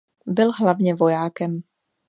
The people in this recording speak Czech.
Byl hlavně vojákem.